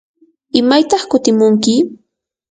¿imaytaq kutimunki?